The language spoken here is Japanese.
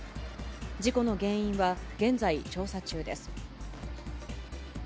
事故の原因は現在、調査中です。